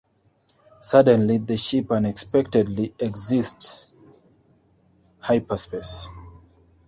Suddenly, the ship unexpectedly exits hyperspace.